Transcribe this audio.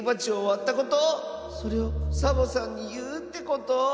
それをサボさんにいうってこと⁉